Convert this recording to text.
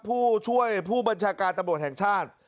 ผู้ช่วยผู้บัญชาการตำรวจแห่งชาติ